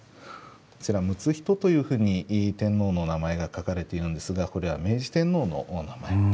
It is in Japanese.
こちら睦仁というふうに天皇の名前が書かれているんですがこれは明治天皇のお名前。